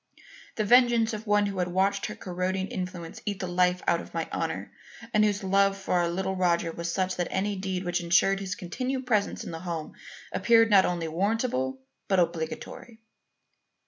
The vengeance of one who had watched her corroding influence eat the life out of my honour and whose love for our little Roger was such that any deed which ensured his continued presence in the home appeared not only warrantable but obligatory.